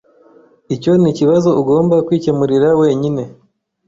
Icyo nikibazo ugomba kwikemurira wenyine.